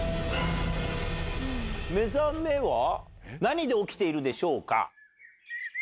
目覚めは何で起きているでしょうか？